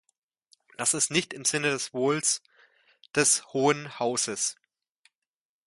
Das ist nicht im Sinne des Wohls des Hohen Hauses.